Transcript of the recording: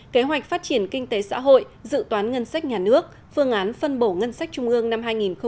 kế hoạch phát triển kinh tế xã hội dự toán ngân sách nhà nước phương án phân bổ ngân sách trung ương năm hai nghìn hai mươi